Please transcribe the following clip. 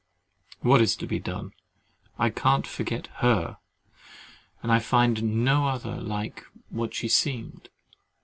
What is to be done? I cannot forget HER; and I can find no other like what SHE SEEMED.